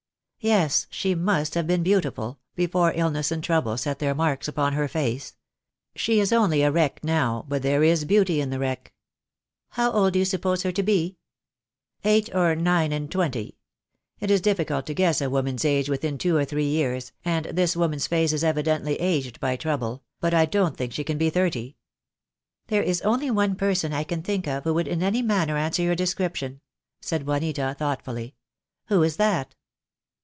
"Yes, she must have been beautiful, before illness and trouble set their marks upon her face. She is only a wreck now, but there is beauty in the wreck." "How old do you suppose her to be?" "Eight or nine and twenty. It is difficult to guess a woman's age within two or three years, and this woman's face is evidently aged by trouble; but I don't think she can be thirty." "There is only one person I can think of who would in any manner answer your description," said Juanita, thoughtfully. "Who is that?"